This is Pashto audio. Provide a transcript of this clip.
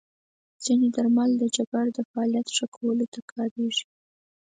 ځینې درمل د جګر د فعالیت ښه کولو ته کارېږي.